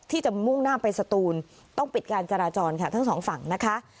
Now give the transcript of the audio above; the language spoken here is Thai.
ที่จะมุ่งหน้าไปสตูนต้องปิดการจราจรค่ะทั้งสองฝั่งนะคะ